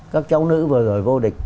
các cháu nữ vừa rồi vô địch